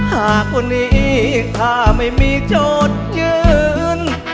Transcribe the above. หากวันนี้ถ้าไม่มีโจทยืน